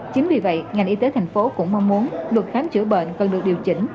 chính vì vậy ngành y tế thành phố cũng mong muốn luật khám chữa bệnh cần được điều chỉnh